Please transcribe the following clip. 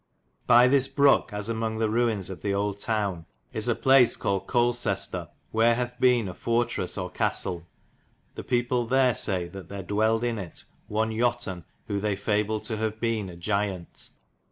* By this broke as emong the ruines of the olde town is a place caullid Colecester, wher hath beene a forteres or castelle. The peple there say that ther dwellid yn it one Yoton, whom they fable to have beene a gygant.